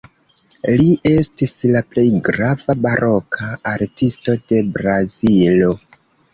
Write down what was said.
Li estis la plej grava baroka artisto de Brazilo.